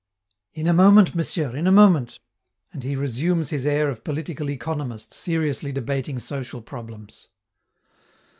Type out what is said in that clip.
"In a moment, Monsieur, in a moment;" and he resumes his air of political economist seriously debating social problems.